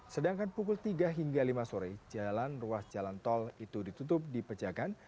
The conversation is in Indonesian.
sedangkan pukul tiga hingga lima sore jalan ruas jalan tol itu ditutup di pejagan